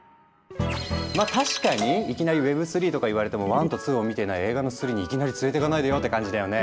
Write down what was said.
確かにいきなりＷｅｂ３とか言われても１と２を見ていない映画の３にいきなり連れていかないでよって感じだよね。